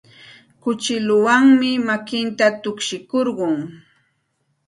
Kuchilluwanmi makinta tukshikurqun.